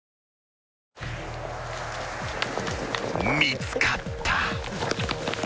［見つかった］